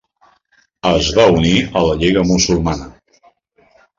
Es va unir a la Lliga Musulmana.